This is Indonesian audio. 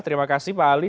terima kasih pak ali